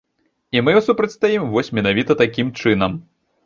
І мы супрацьстаім вось менавіта такім чынам.